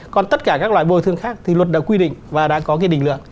còn tất cả các loại bồi thương khác thì luật đã quy định và đã có cái định lượng